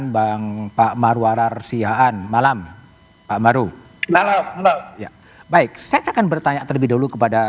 bang pak marwarar sihaan malam pak maru malam baik saya akan bertanya terlebih dulu kepada